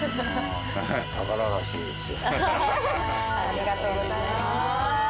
ありがとうございます。